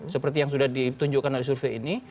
seperti yang sudah ditunjukkan dari survei ini